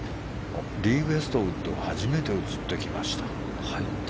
リー・ウェストウッドが初めて映ってきました。